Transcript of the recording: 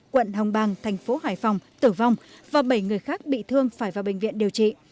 quận hồng bàng thành phố hải phòng tử vong và bảy người khác bị thương phải vào bệnh viện điều trị